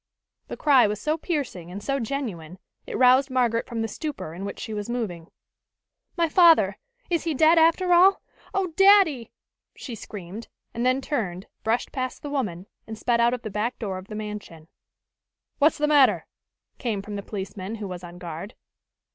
The cry was so piercing and so genuine, it roused Margaret from the stupor in which she was moving. "My father! He is dead, after all! Oh, daddy!" she screamed, and then turned, brushed past the woman, and sped out of the back door of the mansion. "What's the matter?" came from the policeman who was on guard.